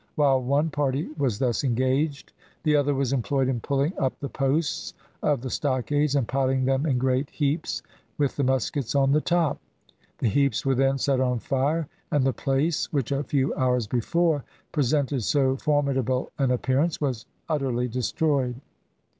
While one party was thus engaged, the other was employed in pulling up the posts of the stockades, and piling them in great heaps, with the muskets on the top. The heaps were then set on fire, and the place which a few hours before presented so formidable an appearance, was utterly destroyed.